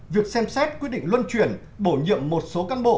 việc xem xét quy định luân chuyển bổ nhiệm một số căn bộ